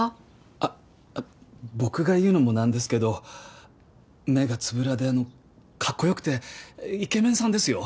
あっ僕が言うのもなんですけど目がつぶらでかっこよくてイケメンさんですよ。